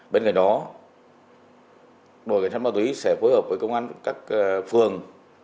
bên cạnh đó đội cảnh sát ma túy sẽ phối hợp với công an các phường